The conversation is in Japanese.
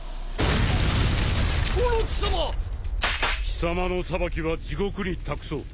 貴様の裁きは地獄に託そう。